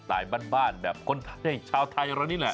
หลายบ้านแบบชาวไทยแหละนี่แหละ